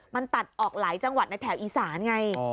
มันตัดออกหลายจังหวัดในแถวอีสานไง